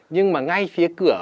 nhưng mà ngay phía cửa